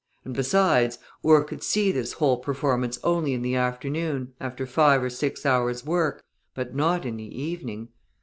And besides, Ure could see this whole performance only in the afternoon after five or six hours' work, but not in the evening!